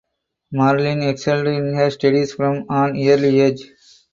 Marlin excelled in her studies from an early age.